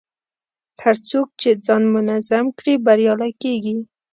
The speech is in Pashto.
هر څوک چې ځان منظم کړي، بریالی کېږي.